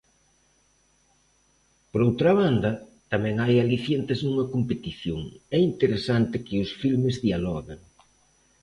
Por outra banda, tamén hai alicientes nunha competición, é interesante que os filmes dialoguen.